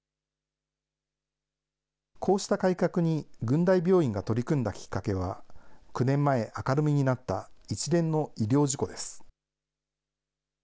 こうした改革に群大病院が取り組んだきっかけは、９年前明るみになった一連の医療事故です。